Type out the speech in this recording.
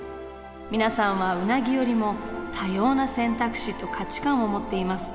皆さんはウナギよりも多様な選択肢と価値観を持っています。